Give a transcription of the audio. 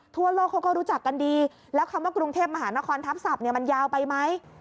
ทั่วโลกเขาก็รู้จักกันดีแล้วคำว่ากรุงเทพมหานครทัพศัพท์มันยาวไปไหม